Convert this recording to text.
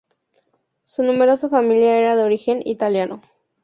Su numerosa familia era de origen italiano.